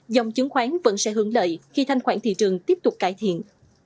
dòng chứng khoán vẫn sẽ hướng lợi khi thanh khoản thị trường tiếp tục cải thiện